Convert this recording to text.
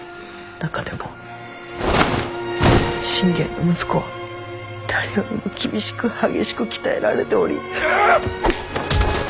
中でも信玄の息子は誰よりも厳しく激しく鍛えられており。